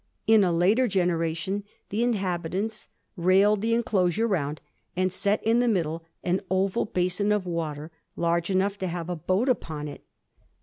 In a later generation the inhabitants railed the enclosure round, and set in the middle an oval basin of water, large enough to have a boat upon it.